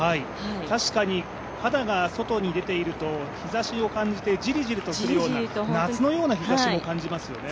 確かに肌が外に出ていると日ざしを感じてじりじりとするような、夏のような日ざしも感じますよね。